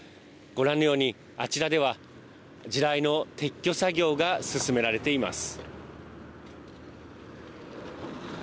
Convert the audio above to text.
ご覧のように、あちらでは地雷の撤去作業が進められています。